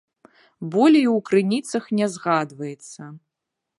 Болей у крыніцах не згадваецца.